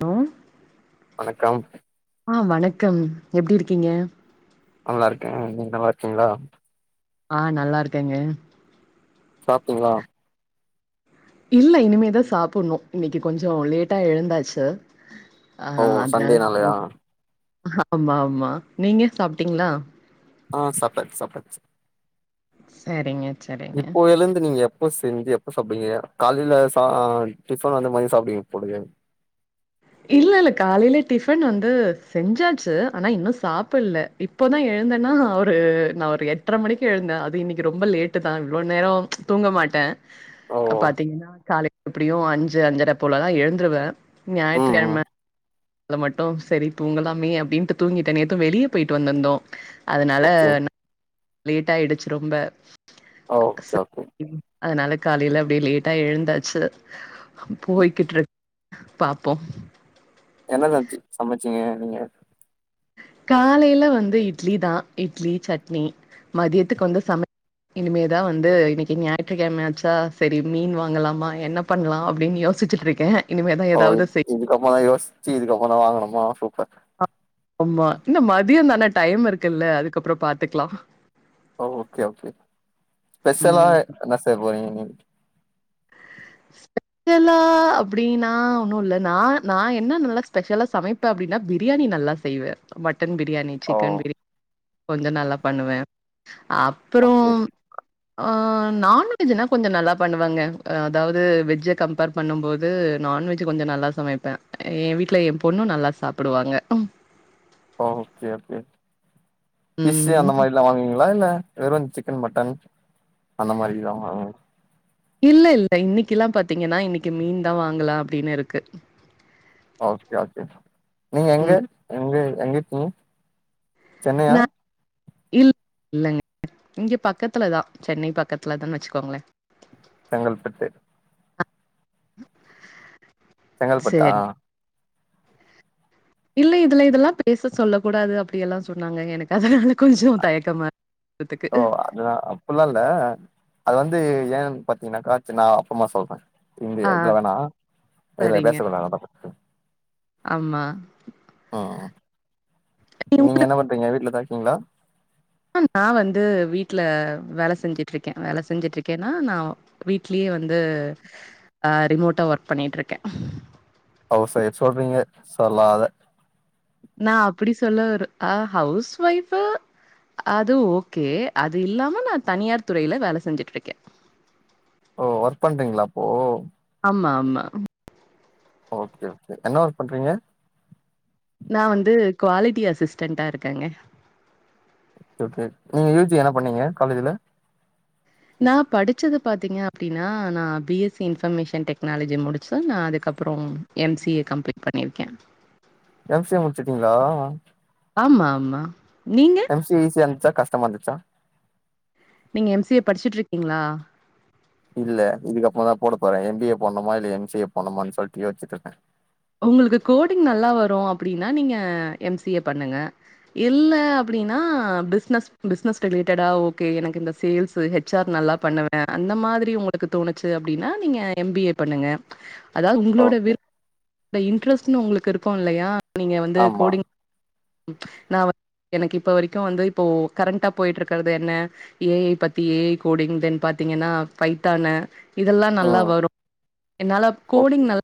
Hello வணக்கம் அ வணக்கம் எப்டி இருக்கீங்க நல்லா இருக்கே நீங்க நல்லா இருக்கீங்ளா ஆ நல்லா இருக்கேங்க சாப்டீங்களா இல்ல இனிமேதா சாப்புட்ணோ இன்னக்கி கொஞ்சோ லேட்டா எழுந்தாச்சு ஆ ஓ அதனால சண்டேனாலயா ஆமா ஆமா நீங்க சாப்ட்டீங்களா ஆ சாப்டாச்சு சாப்டாச்சு சரிங்க சரிங்க இப்போ எழுந்து நீங்க எப்போ செஞ்சு எப் ப சாப்டுவீங்க காலைல சா அ டிஃபன் அந்த மாரி சாப்டுவீங்க போலயே இல்ல இல்ல காலையில டிஃபன் வந்து செஞ்சாச்சு ஆனா இன்னு சாப்புட்ல இப்போதா எழுந்தன்னா ஒரு நா ஒரு எட்ர மணிக்கு எழுந்தே அது இன்னிக்கி ரொம்ப லேட்டு தா இவ்ளோ நேரோ தூங்க மாட்டே ஓ பாத்தீங்கன்னா காலை எப்படியு அஞ்சு அஞ்சர போலதா எழுந்துருவே ஞாயி த்து ம் கெழம ம் யுல மட்டு செரி தூங்கலாமே அப்டீன்ட்டு தூங்கிட்டே நேத்து வெளியே போயிட்டு வந்திருந்தோ அதனால ஓகே நா லேட்டாயிடுச்சு ரொம்ப ஓகே ச ஓகே ம் அதனால காலையில அப்டியே லேட்டா எழுந்தாச்சு போய்கிட்ருக்கு ப்போ என்ன லன்ச்சு சமச்சீங்க நீங்க காலையில வந்து இட்லி தா இட்லி சட்னி மதியத்துக்கு வந்து சம இனிமேதா வந்து இன்னிக்கி ஞாயிற்றுக்கெழமையாச்சா செரி மீன் வாங்கலாமா என்ன பண்லா அப்டீன்னு யோசிச்சுட்ருக்கே இனிமேதா ஓ இ ஏதாவது செய் இதுக்கப்புறோ தா யோசிச்சு இதுக்கறமா தா வாங்கணுமா சூப்பர் ஆமா இன்ன மதியம் தான டைம் இருக்குல்ல அதுக்கப்புறோ பாத்துக்கலா ஓகே ஓகே பெஷலா ம் என்ன செய்ய போறீங்க நீ [inaudible] ஸ்பெஷலா அப்டீன்னா ஒன்னு இல்ல நா நா என்ன நல்லா ஸ்பெஷலா சமைப் பே அப்டீன்னா பிரியாணி நல்லா செய்வே மட்டன் பிரியாணி ஓ சிக்கன் பிரியாணி கொஞ்சோ நல்லா பண்ணுவே அப் புறோ ஓகே அ நான்வெஜ்னா கொஞ்சோ நல்லா பண்ணுவங்க அதாவது வெஜ்ஜ கம்பேர் பண்ணும் போது நான்வெஜ்ஜு கொஞ்சோ நல்லா சமைப்பே எ வீட்ல எ பொண்ணு நல்லா ச சாப்புடுவாங்க ஓ ஓகே ஃபிஷ்ஷு ம் அந்த மாரிலா வாங்குவீங்களா இல்ல வெறு சிக்கன் மட்டன் அந்த மாரிதா ஆ இல்ல இல்ல இன்னைக்கல்லா பாத்தீங்கன்னா இன்னக்கி மீன் தா வாங்கலா அப்டின்னு இருக்கு ஓகே ஓகே நீங்க எங்க ம் எங்க எங்க இருக்கீங்க சென்னையா நா இல் இல்லங்க இங்க பக்கத்துல தா சென்னை பக்கத்துல தான்னு வச்சுக்கோங்களே செங்கல்பட்டு செங்கல்பட்டா சேரி இல்ல இதுல இதல்லா பேச சொல்ல கூடாது அப்டியல்லா சொன்னாங்க எனக்கு அதுனால கொஞ்சோ தயக்கமா த்துக்கு அ அப்பில்லா இல்ல அது வந்து ஏன்னு பாத்தீங்கன்னாக்கா அத்து நா அப்றமா சொல்றே இங்க ஆ இதுல வேணா இதுல பேச சரிங்க. வேணா [unintelligible] ஆமா ஆ நீங்க என்ன பண்றீங்க வீட்ல தா இருக்கீங்களா நா வந்து வீட்ல வேல செஞ்சுட்ருக்கே வேல செஞ்சுட்ருக்கேனா நா வீட்லயே வந்து ஆ ரிமோட்டா ஒர்க் பண்ணிட்ருக்கே ஹவுஸ் ஒய்ஃப் சொல்றீங்க சொலாத நா அப்டி சொல்ல வர ஆ ஹவுஸ் ஒய்ஃபு அது ஓகே அது இல்லாம நா தனியார் துறைல வேல செஞ்சுட்ருக்கே ஓ ஒர்க் பண்றீங்கலா அப்போ ஆமா ஆமா ஓகே ஓகே என்னா ஒர்க் பண்றீங்க நா வந்து குவாலிட்டி அசிஸ்டன்டா இருக்கேங்க ஓகே ஓகே நீங்க யூ ஜி என்னா பண்ணீங்க காலேஜுல நா படுச்சது பாத்தீங்க அப்டின்னா நா B S C information technology முடுச்சு நா அதுகப்பறம் எம் சி ஏ கம்ளீட் பண்ணிருக்கே எம் சி ஏ முடுசுட்டிங்களா ஆமா ஆமா நீங்க எம் சி ஏ ஈஷிய இருந்துச்சா கஷ்டமா இருந்துச்சா நீங்க எம் சி ஏ படுச்சுட்ருக்கீங்களா இல்ல இதுகப்பறமா தா போட பேறே எம் பி ஏ பண்ணுமா இல்ல எம் சி ஏ பண்ணுமான் சொல்ட்டு யோஸ்சுட்ருக்கே உங்களுக்கு கோடிங் நல்லா வரு அப்டினா நீங்க எம் சி ஏ பண்ணுங்க இல்ல அப்டினா பிஸ்னஸ் பிஸ்னஸ் ரிலேட்டடா ஓகே எனக்கு இந்த சேல்ஸு ஹெ ஹெச் ஆர் நல்லா பண்ணுவே அந்த மாரி உங்களுக்கு தோணுச்சு அப்டினா நீங்க எம் பி ஏ பண்ணுங்க அதாவது உங்களோட ஓகே விரு த இன்ரஸ்ட்னு உங்களுக்கு இருக்கு இல்லயா நீங்க வந்து ஆமா கோடிங் நா வ எனக்கு இப்ப வரைக்கு வந்து இப்போ கரண்ட்டா போயிட்ருக்கறது என்ன ஏ ஐ பத்தி A I coding then பாத்தீகன்னா Baith தான இதலா நல்லா ம் வரு என்னால ஓகே கோடிங் நல்ல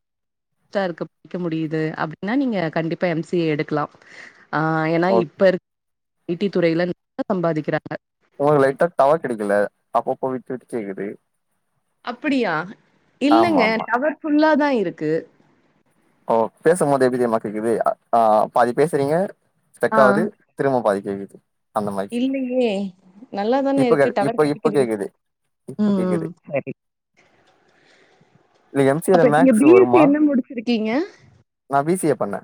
தா இருக் க்க முடியிது அப்டினா நீங்க கண்டிப்பா எம் சி ஏ எடுகலாம் ஆ ஏனா ஓகே இப்ப இரு ஐ டி துறைல சம்பாதிக்கிறாங்க ஒங்களுக்கு லைட்டா டவர் கெடைக்கல அப்ப அப்ப விட்டு விட்டு கேக்குது அப்பிடியா ஆமா இல்லங்க ஆமா டவர் ஃபுல்லா தா இருக்கு ஓ பேசம்போது எப்டி தெரியுமா கேக்குது அ ஆ பாதி பேசுறீங்க ஸ்டக் ஆகுது திரும்ப பாதி கேக்குது அந்த மாரி இல்லயே நல்லாதான இப்ப கே இருக்கு டவர் இப்ப இப்ப கெடைக்குது கேக்குது இப்ப ம் ம் கேக்குது இந்த எம் சி ஏல அப்ப நீங்க மேக்ஸ் பி எஸ் சி வருமா என்ன முடிச்சிருக்கீங்க நா பி சி ஏ பண்ணே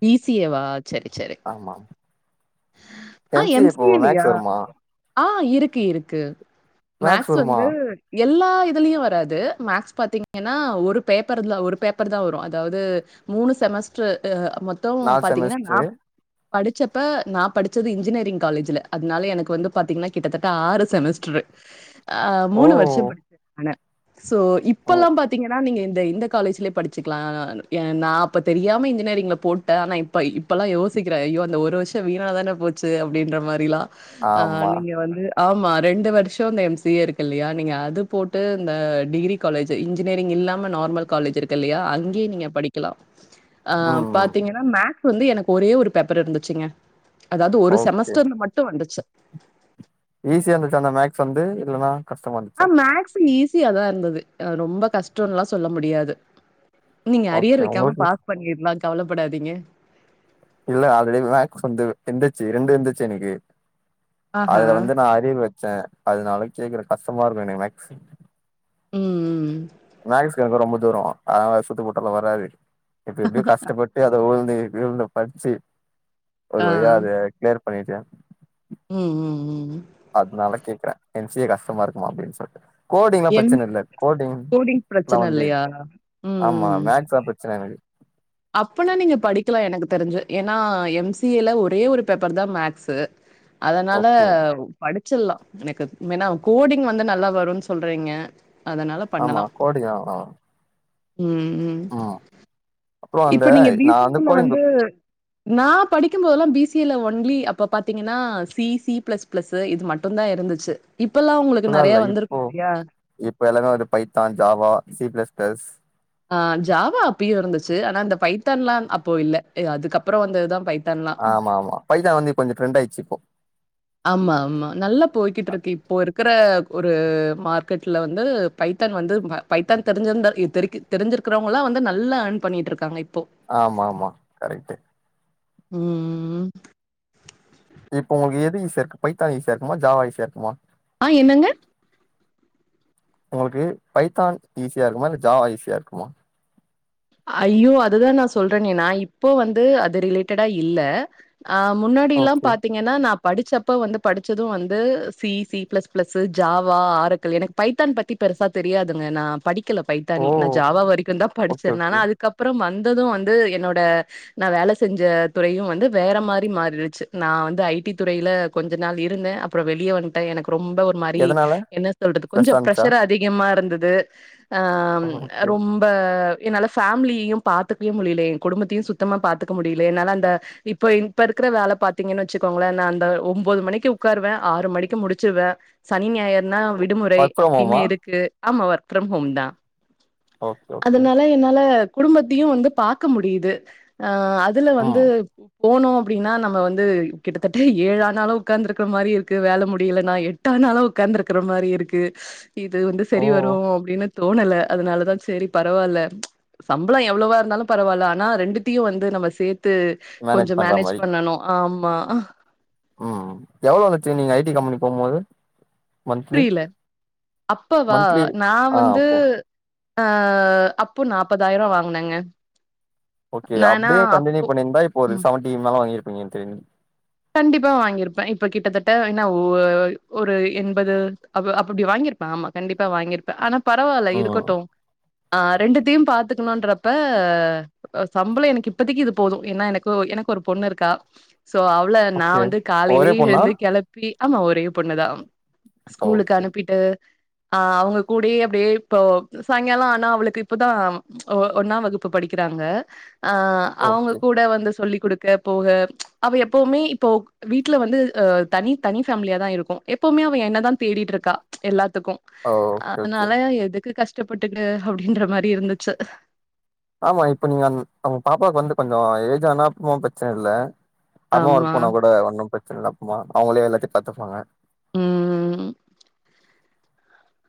பி சி ஏ வா செரி செரி ஆமாம் ஆ எம் சி மேக்ஸ் ஏலயா வருமா ஆ இருக்கு இருக்கு மேக்ஸ் வந்து எல்லா இதுலயு வராது மேக்ஸ் பாத்தீங்கன்னா ஒரு பேப்பர்ல ஒரு பேப்பர் தா வரு அதாவது மூணு செமஸ்ட்ர் அ மொத்த நாலு பாத்தீங்கன்னா நா செமஸ்டரு படிச்சப்ப நா படிச்சது இன்ஜினியரிங் காலேஜ்ல அதனால எனக் வந்து பாத்தீங்கன்னா கிட்டதட்ட ஆறு செமஸ்ட்ரு ஆ ஓ மூணு வருஷம் படிச்சி [inaudible] ஆன சோ ஓ, இப்பல்லா பாத்தீங்கன்னா நீங்க இந்த இந்த காலேஜ்லயே படிச்சிகலா ஏ நா அப்ப தெரியாம இன்ஜினெரிங்ல போட்ட ஆனா இப்ப இப்பெல்லா யோசிக்கிற ஐயோ அந்த ஒரு வருஷ் ஷோ வீண தானே போச்சி அப்டின்ற மாரிலா அ ஆமா நீங்க வந்து ஆமா ரெண்டு வருஷோ இந்த எம் சி ஏ இருக்குல்லையா நீங்க அது போட்டு இந்த டிகிரி காலேஜு இன்ஜினியரிங் இல்லாம நார்மல் காலேஜ் இருக்குல்லையா அங்கயே நீங்க படிக்கலா ஆ ம் ம் பாத்தீங்கன்னா மேக்ஸ் வந்து எனக்கு ஒரே ஒரு பேப்பர் இருந்துச்சுங்க அதாவது ஒரு ஓகே செமஸ்டர்ல மட்டு வந்துச்சு ஈஸியா இருந்துச்சா அந்த மேக்ஸ் வந்து இல்லன்னா கஷ்டமா ஆ இருந்துச்சா மேக்ஸ் ஈஸியாதாருந்தது ரொம்ப கஷ்டோன்ல்லா சொல்ல முடியாது நீங்க ஓகே அரியர் வைக்காம உங்களுக்கு பாஸ் பண்ணிர்லா கவலப்படாதீங்க இல்ல ஆல்ரெடி மேக்ஸ் வந்து இருந்துச்சு ரெண்டு இருந்துச்சு எனக்கு ஆஹா. அதுல வந்து நா அரியர் வ வச்சே அதனால கேக்குற கஷ்டமாருக்கு எனக்கு மேக்ஸு ம் ம். மேக்ஸுக்கு எனக்கு ரொம்ப தூரோ அதனால சுட்டு போட்டல வராது இப்ப எப்டியோ கஷ்டப்பட் எப்பயோ அத உழுந்து விழுந்து படிச்சு ஒரு ஆ. வழியா அத கிளியர் பண்ணிட்டே ம் ம் ம். அதனால கேக்குறே எம் சி ஏ கஷ்டமாருக்கும்மா அப்டின்னு சொல்ட்டு கோடிங்ல்லா எம் பிரச்சன இல்ல கோடிங் லா பிரச்சனை வந்து இல்லையா? ம், ஆமா ம். மேக்ஸ்தா பிரச்சன எனக்கு அப்பனா நீங்க படிக்கலா எனக்கு தெரிஞ்சு ஏன்னா எம் சி ஏல ஒரே ஒரு பேப்பர் தா மேக்ஸு அதனால ஓகே படிச்சில்லா எனக்கு மெனா கோடிங் வந்து நல்லா வருன்னு சொல்றீங்க அதனால ஆமா பண்ணலா கோடிங் ஆ ம் ம் ம் அப்றோ அந்த இப்ப நீங்க பி நா சி ஏல கோடிங் வந்து நா படிக்கும்போதெல்லா பி சி ஏல ஓன்லி அப்ப பாத்தீங்கன்னா சி சி பிளஸ் பிளஸ் து இது மட்டும் தா இருந்துச்சு இப்பெல்லா உங்களுக்கு நறைய வந்திருக்குமில்லையா இப்பல்லாமே ஒரு பைத்தா ஜாவா சி பிளஸ் பிளஸ் ஆ ஜாவா அப்பயு இருந்துச்சு ஆனா இந்த பைத்தன்ல்லா அப்போ இல்ல அ அதுக்கப்புறோ வந்ததுதா பைத் ஆமா ஆமா பைதான் வந்து கொஞ்சோ ட்ரெண்டாயிடுச்சு இப்போ ஆமாமா நல்லா போய்க்கிட்டுருக்கு இப்போ இருக்குற ஒரு மார்க்கெட்ல வந்து பைத்தான் வந்து ப பைத்தான் தெரிஞ்சிருந்தா இப் தெரிக்க தெரிஞ்சிருக்குறவங்கலா வந்து நல்லா ஏர்ன் பண்ணிட்டுருக்காங்க இப்போ ஆமாமா கரெக்ட்டு ம் இப்போ உங்களுக்கு எது ஈசியாருக்கு பைத்தான் ஈசியாருக்குமா ஜாவா ஈசியாருக்குமா ஆ என்னங்க உங்களுக்கு பைத்தான் ஈஸியாருக்குமா இல்ல ஜாவா ஈஸியாருக்குமா ஐயோ அதுதா நா சொல்றேனே இப்போ வந்து அது ரிலேட்டடா இல்ல ஆ முன்னாடில்லாம் ஓகே பாத்தீங் என்னா நா படிச்சப்ப வந்து படிச்சதும் வந்து C C plus plus Java ஆறக்கல் எனக்கு பைத்தான் பத்தி னபெருசா தெரியாதுங்க நா படிக்கல ஓ பைத்தானி ஜவாா வரைக்கு தா படிச்சே ஓகே ஆனா ஓகே அதுக்கு துக்கப்புறம் வந்தம் வந்து வந்து என்னோட நா வேலை செஞ்ச துறையும் வந்து வேற மாரி மாறிடுச்சு நா வந்து ஐடி துறையில கொஞ்ச நாள் இருந்தே அப்புறம் வெளிய வந்துட்டே எனக்கு ரொம்ப ஒரு மாரி எதனால என்ன சொல்றது ஸ்ட்ரெஸ்ஸா கொஞ்சம் இருந்துச்சா ப்ரஷர் அதிகமா இருந்தது ஓகே ரொம் இப்ப என்னால ஃபேமிலியியும் பாத்துக்கவே முடியல என் குடும்பத்தையும் சுத்தமா பாத்துக்க முடியல என்னால அந்த இப்ப இப்ப இருக்கிற வேலை பாத்தீங்கன் வச்சுக்கோங்களே நா அந்த ஒன்பது மணிக்கு உக்காருவே ஆறு மணிக்கு முடிச்சிடுவே சனி ஞாயிருனா விடுமுறை ஒர்க் ஃப்ரம் அப்டின் ஹோமா இருக்கு ஆமா ஒர்க் ஃப்ரம் ஹோம் தா ஓகே ஓகே அதனால என்னால குடும்பத்தியு வந்து பாக்க முடியுது அ அதுல வந்து ம் போனோ அப்டின்னா நம்ப வந்து கிட்டத்தட்ட ஏழானாளும் உட்கார்ந்து இருக்குற மாரி இருக்கு வேலை முடியலன்னா எட் ட்டானாலு உக்காந்து இருக்குற மாரி இருக்கு இது வந்து ஓ சரி வரும் அப்டின்னு தோணல அதனாலதா சேரி பரவால்ல சம்பள எவ்ளவா இருந்தாலு பரவால்ல ஆனா ரெண்டுத்தியு வந்து நம்ம சேத்து கொஞ்சோ பண்ற மேனேஜ் மாரி பண்ணனு ஆம்மா ம் எவ்ளோ கச்சிங்க நீங்க ஐடி கம்பெனி போம் போது புரில அப்பவா மந்த்லி நா ஆ வந்து அப்போ ஆ அப்போ நாப்பதாயிர வாங்னங்க ஓகே அப்டே கன்டினியூ பண்ணிருந்தா இப்ப ஒரு ம். செவன்டீ மேல வாங்கிருப்பீங்க தெரியு கண்டிப்பா வாங்கிருப்பே இப்ப கிட்டத்தட்ட என்னா வ்ஒ ஒரு எண்பது அப்ப அப்டி வாங்கியிருப்பே ஆமா கண்டிப்பா வாங்கியிருப்பே ஆனா பரவால்ல ம் இருக்கட்டும் ஆ ரெண்டுத்தியு பாத்துக்கணுன்றப்ப சம்பள எனக்கு இப்பதிக்கு இது போதும் ஏன்னா எனக்கு எனக்கு ஒரு பொண்ணு இருக்கா சோ அவ் வ்ள நா ஓகே வந்து காலையிலே ஒரே பொண்ணா எழுந்து கெளப்பி ஆமா ஒரே பொண்ணுதா ஸ்கூலுக்கு ஓகே அனுப்பிட்டு ஆ அவ்ங்க கூடயே அப்டியே இப்போ சாயங்கால ஆனா அவள்க்கு இப்பதா ஒ ஒன்னாம் வகுப்பு படிக்குறாங்க ஆ அவ்ங்க ஓகே கூட வந்து சொல்லி குடுக்க போக அவ எப்பவுமே இப்போ வீட்ல வந்து அ தனி தனி ஃபேமிலியா தா இருக்கும் எப்பவுமே அவ என்ன தா தேடிட்டு இருக்கா எல்லாத்துக்கு ஓகே ஓகே அதனால எதுக்கு கஷ்டப்பட்டுட்டு அப்டின்ற மாரி இருந்துச்சு ஆமா இப்ப நீங்க உங்க பாப்பாவுக்கு வந்து கொஞ்சோ ஏஜ் ஆனா அப்றோ ப்ரச்சன இல்ல அம்மா ஆமா ஒர்க் போனா கூட ஒன்னு ப்ரச்சன இல்ல அப்பமா அவங்களே எல்லாத்தையு பாத்துப்பாங்க ம்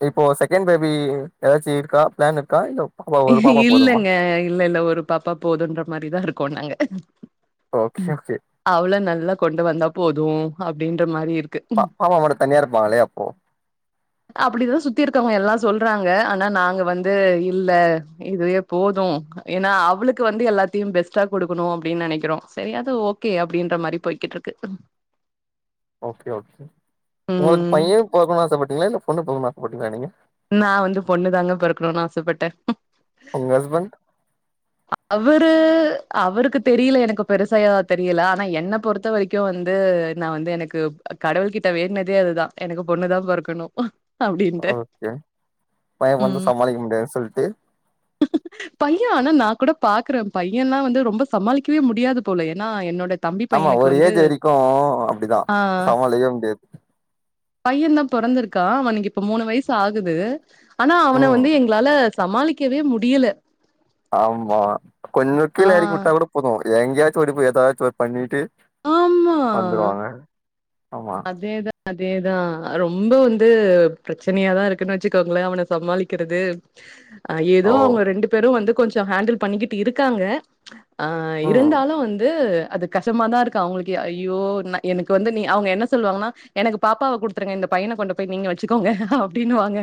இப்போ செகண்ட் பேபி எதாச்சி இருக்கா ப்ளான் இருக்கா இல்ல பாப்பா ஒரு பாப்பா போதுமா இல்லங்க இல்ல இல்ல ஒரு பாப்பா போதுன்ற மாரிதா இருக்கோ நாங்க ஓகே ஓகே அவள நல்லா கொண்டு வந்தா போதும் அப்டின்ற மாரி இருக்கு அப்பா அம்மா மட்டு தனியா இருப்பாங்ளே அப்போ அப்டிதான் சுத்தி இருக்கவங்க எல்லா சொல்றாங்க ஆனா நாங்க வந்து இல்ல இதுவே போது ஏன்னா அவளுக்கு வந்து எல்லாத்தையு பெஸ்ட்டா குடுக்கணு அபடின்னு நெனைக்கிறோம் சரி அது ஓ கே அப்டின்ற மாரி போய்கிட்ருக்கு ஓகே ஓகே உங்களுக்கு ம் பையன் பொறக்கனு ஆசப்பட்டீங்களா இல்ல பொண்ணு பொறக்கணு ஆசப்பட்டீங்ளா நீங்க நா வந்து பொண்ணு தாங்க பொறக்கணு ஆசப்பட்டே உங்க ஹஸ்பண்ட் அவுரு அவருக்கு தெரியல எனக்கு பெருசா எதாவது தெரியல ஆனா என்ன பொறுத் த வரைக்கு வந்து நா வந்து எனக்கு கடவுள் கிட்ட வேண்ணதே அதுதா எனக்கு பொண்ணுதா பொறக்கணு அப்டின்ட்டு ஏ பையன் பொறந்தா ம் சமாளிக்க முடியாதுன் சொல்ட்டு பைய ஆனா நா கூட பாக்குற பையன்ல்லா வந்து ரொம்ப சமாளிக்கவே முடியாது போல ஏன்னா என்னோட தம்பி ஆமா பையனுக்கு ஒரு வந்து ஏஜ் வெரிக்கு அப்டிதா ஆ சமாளிக்யே முடியாது பையன் தா பொறந்திருக்கா அவனுக்கு இப்ப மூணு வய்சு ஆக் குது ஆனா அவன ம் வந்து எங்களால சமாளிக்கவே முடியல ஆம்மா கொஞ்சோ ஆ கீழ எறக்கி வுட்டா கூட போது எங்கயாச்சோடி போய் எதாவது பண்ணிட்டு ஆமா வந்துருவாங்க ஆமா அதேதா அதேதா ரொம்ப வந்து பிரச்சனயாதா இருக்குன்னு வெச்சுக்கோங்களேன் அவன சமாளிக்கிறது அ ஓ ஏதோ அவங்க ரெண்டு பேரு வந்து கொஞ்சம் ஹேண்டில் பண்ணிக்கிட்டு இருக்காங்க ஆ ம் இருந்தாலும் வந்து அது கஷ்டமாதான் இருக்கு அவங்களுக்கு ஐயோ எனக்கு வந்து நீ அவங்க என்ன சொல்லுவாங்கன்னா எனக்கு பாப்பாவ குடுத்துருங்க இந்த பையனை கொண்டு போய் நீங்க வச்சுக்கோங்க அப்டின்னுவாங்க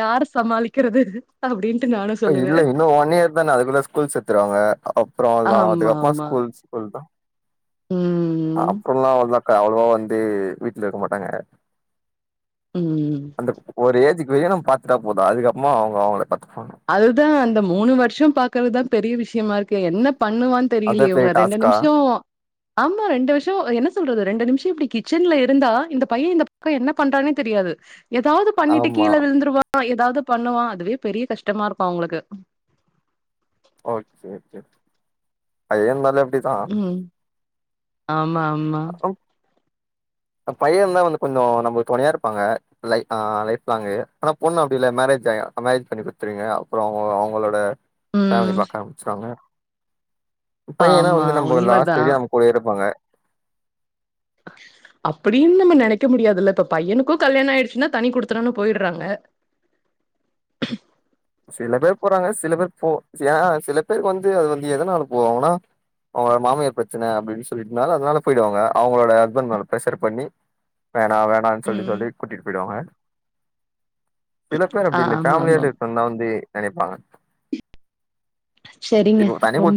யார சமாளிக்கிறது அப்டின்ட்டு நானு இல்ல இன்னும் ஒன் இயர் தானே அதுக்குள்ள ஸ்கூல் சேத்துருவாங்க அப்புறம் தா ஆமா, அதுக்கப்புறமா ஆமா. ஸ்கூல் ஸ்கூல் தா ம் அப்புறம்ல்லா வந்து அவ்ளோ வந்து வீட்ல இருக்க மாட்டாங்க ம் இந்தப் ஒரு ஏஜ்க்கு வரையும் நம்ம பாத்துட்டா போதும் அதுக்கப்புறமா அவங்க அவங்கள பாத்து பாங்க அதுதா அந்த மூணு வருஷம் பாக்குறதுதா பெரிய இருக்கு என்ன பண்ணுவான் அதா தெரியலே பெரிய உங்க ரெண்டு டாஸ்க்கா நிமிஷோ ஆமா ரெண்டு வர்ஷோ என்ன சொல்றது ரெண்டு நிமிஷம் இப்டி கிச்சன்ல இருந்தா இந்த பையன் இந்த பக்கம் என்ன பண்றா தானே தெரியாது எதாவது பண்ணிட்டு ஆமா கீழ விழுந்துருவா எதாவது பண்ணுவா அதுவே பெரிய கஷ்டமா இருக்கு உங்குளுக்கு ஓகே ஓகே அதே மாரி அப்டி ம் ஆமா ஆமா. [unintelligible] பையதா வந்து கொஞ்சோ நம்மளுக் துணையா இருப்பாங்க லை ஆ லைஃப் லாங்கு ஆனா பொண்ணு அப்டி இல்ல மேரேஜ் ஆ மேரேஜ் பண்ணி குடுத்துருவீங்க அப்பறோ அவங்க அவங்களோட ம். ஃபேமிலி பாக்க ஆரம்பிச்சுருவாங்க பையனா ஆமா, வந்து நம்ப லாஸ்ட் உண்மதான். வெரியு நம்ம கூடவே இருப்பாங்க அப்டின்னு நம்ம நினைக்க முடியதுல்ல இப்ப பையனுக்கும் கல்யாணம் ஆயிடுச்சுன்னா தனி குடுத்தணோனு போயிடுறாங்க சில பேர் போறாங்க சில பேர் போ ஏ சில பேருக்கு வந்து அது வந்து எதனால போவாங்கன்னா அவங்களோட மாமியார் பிரச்சன அப்டின் சொல்லிட்டுனால அதனால போயிடுவாங்க அவங்களோட ஹஸ்பண்ட் மேல பிரஷர் பண்ணி வேணா வேணான் சொல்லி ம். சொல்லி கூட்டிட்டு போயிடுவாங்க சில பேர் வந்து இல்ல ஆமாமா. ஃபேமிலியோட இருப்பந்தா வந்து நெனைப்பாங்க செரிங்க இப்போ தனி குடுத்தனம் ரொம்ப